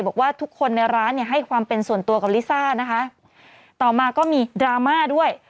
บอกว่าทุกคนในร้านเนี่ยให้ความเป็นส่วนตัวกับลิซ่านะคะต่อมาก็มีดราม่าด้วย